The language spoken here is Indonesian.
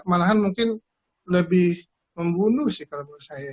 malahan mungkin lebih membunuh sih kalau menurut saya